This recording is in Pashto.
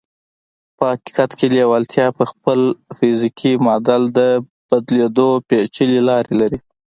په حقیقت کې لېوالتیا پر خپل فزیکي معادل د بدلېدو پېچلې لارې لري